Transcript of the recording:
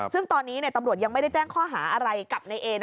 ซึ่งตอนนี้ตำรวจยังไม่ได้แจ้งข้อหาอะไรกับนายเอ